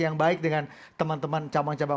yang baik dengan teman teman cabang cabang